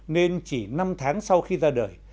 nên chỉ năm tháng sau khi ra đời